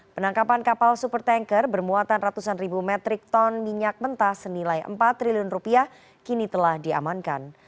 penangkapan kapal super tanker bermuatan ratusan ribu metrik ton minyak mentah senilai empat triliun rupiah kini telah diamankan